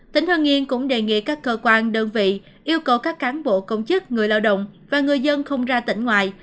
tỉnh hương yên cũng đề nghị các cơ quan đơn vị yêu cầu các cán bộ công chức người lao động và người dân không ra tỉnh ngoài